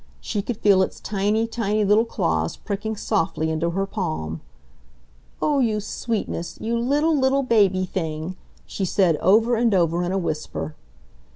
She could feel its tiny, tiny little claws pricking softly into her palm. "Oh, you sweetness! You little, little baby thing!" she said over and over in a whisper.